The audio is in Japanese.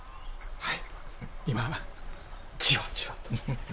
はい。